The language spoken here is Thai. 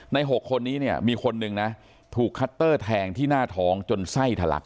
๖คนนี้เนี่ยมีคนหนึ่งนะถูกคัตเตอร์แทงที่หน้าท้องจนไส้ทะลัก